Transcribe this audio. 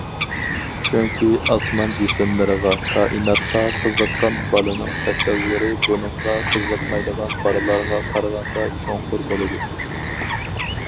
چۈنكى ئاسمان جىسىملىرىغا كائىناتقا قىزىققان بالىنىڭ تەسەۋۋۇرى بۇنىڭغا قىزىقمايدىغان بالىلارغا قارىغاندا چوڭقۇر بولىدۇ.